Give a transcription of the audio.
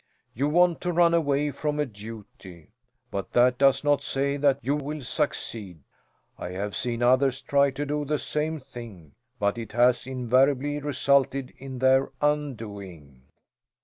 You want to run away from a duty, but that does not say that you will succeed. I have seen others try to do the same thing, but it has invariably resulted in their undoing."